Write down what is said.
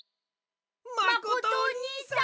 まことおにいさん！